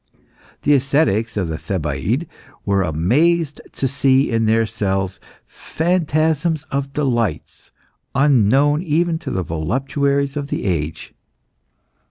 The ascetics of the Thebaid were amazed to see in their cells phantasms of delights unknown even to the voluptuaries of the age.